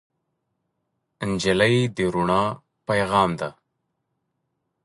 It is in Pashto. نجلۍ د رڼا پېغام ده.